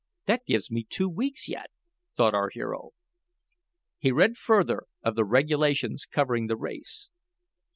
"That gives me two weeks yet," thought our hero. He read further of the regulations covering the race.